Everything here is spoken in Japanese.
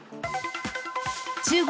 中国、